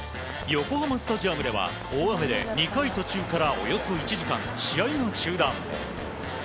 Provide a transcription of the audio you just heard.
横浜スタジアムでは大雨で２回途中からおよそ１時間試合が中断。